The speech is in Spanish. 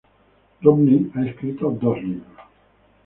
Romney ha escrito dos libros.